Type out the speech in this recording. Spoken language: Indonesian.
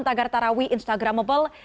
tagar tarawih instagramable